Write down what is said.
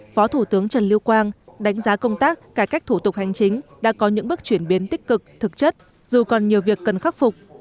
phó thủ tướng trần lưu quang đánh giá công tác cải cách thủ tục hành chính đã có những bước chuyển biến tích cực thực chất dù còn nhiều việc cần khắc phục